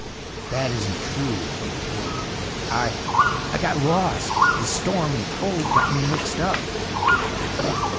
"That isn't true," Hager blurted. "I ... I got lost. The storm and cold got me mixed up."